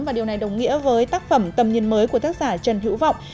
và điều này đồng nghĩa với tác phẩm tầm nhìn mới của tác giả trần hữu vọng